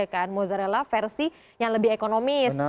kan mozzarella versi yang lebih ekonomis